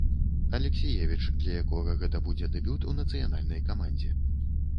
Алексіевіч, для якога гэта будзе дэбют у нацыянальнай камандзе.